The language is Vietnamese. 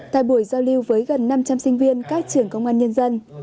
tại buổi giao lưu với gần năm trăm linh sinh viên các trường công an nhân dân